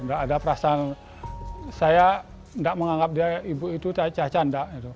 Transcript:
nggak ada perasaan saya nggak menganggap dia ibu itu cacan nggak gitu